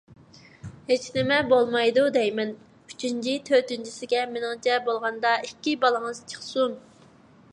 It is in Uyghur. ھېچنىمە بولمايدۇ دەيمەن. ئۈچىنچى، تۆتىنچىسىگە مېنىڭچە بولغاندا ئىككى بالىڭىز چىقسۇن.